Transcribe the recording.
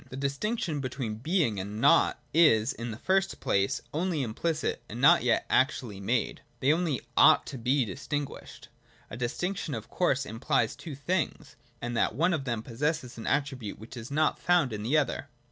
The distinction between Being and Nought is, in the first place, only implicit, and not yet actually made : they only ought to be distinguished. A distinction of course implies two things, and that one of them possesses an attribute which is not found in the other.